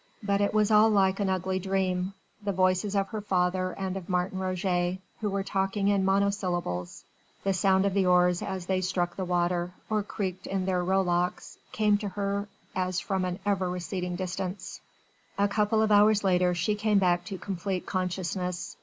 But it was all like an ugly dream: the voices of her father and of Martin Roget, who were talking in monosyllables, the sound of the oars as they struck the water, or creaked in their rowlocks, came to her as from an ever receding distance. A couple of hours later she came back to complete consciousness.